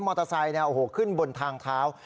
อเตอร์ไซค์ขึ้นบนทางเท้า